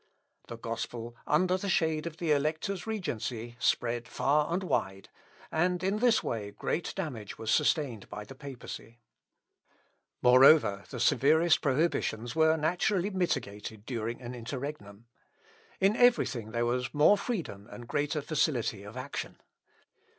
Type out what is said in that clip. The gospel, under the shade of the Elector's regency, spread far and wide, and in this way great damage was sustained by the papacy." "Tunc desiit paululum sævire tempestas...." (L. Op. Lat. in Præf.) Moreover, the severest prohibitions were naturally mitigated during an interregnum. In every thing there was more freedom and greater facility of action.